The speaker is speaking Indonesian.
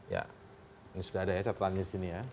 ya ini sudah ada ya catatannya disini ya